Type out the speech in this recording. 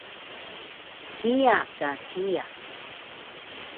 kiya ka kiya